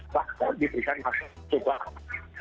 bahkan diberikan hak asasi